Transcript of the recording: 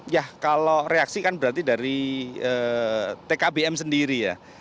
ya kalau reaksi kan berarti dari tkbm sendiri ya